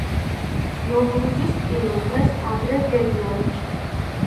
ნოვრუზის პირველ დღეს ადრე დგებიან.